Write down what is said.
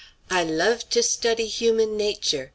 "I love to study human nature.